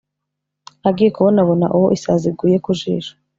agiye kubona abona uwo isazi iguye ku jisho,